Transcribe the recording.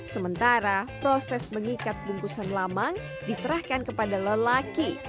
sementara proses mengikat bungkusan lamang diserahkan kepada lelaki